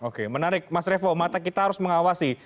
oke menarik mas revo mata kita harus mengawasi